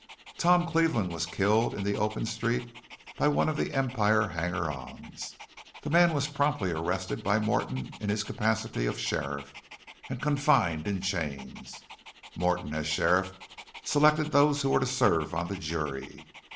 Tom Cleveland was killed in the open street by one of the Empire hangers on. The man was promptly arrested by Morton in his capacity of sheriff, and confined in chains. Morton, as sheriff, selected those who were to serve on the jury.